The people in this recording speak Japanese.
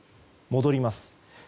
戻ります。